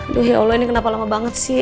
aduh ya allah ini kenapa lama banget sih